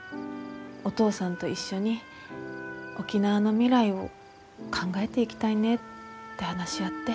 お父さんと一緒に沖縄の未来を考えていきたいねって話し合って。